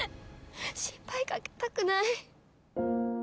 心配かけたくない。